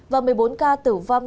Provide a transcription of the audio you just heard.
và một mươi bốn ca tử vong